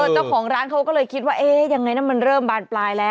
เจ้าของร้านเขาก็เลยคิดว่าเอ๊ะยังไงน้ำมันเริ่มบานปลายแล้ว